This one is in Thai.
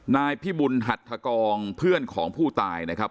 นายพิบุญหัทธกองเพื่อนของผู้ตายนะครับ